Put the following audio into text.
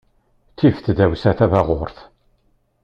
Tif tdawsa tabaɣurt.